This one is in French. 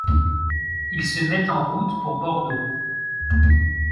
Il se met en route pour Bordeaux.